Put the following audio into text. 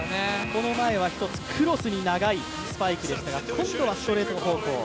この前は１つクロスに長いスパイクでしたが、今度はストレート方向。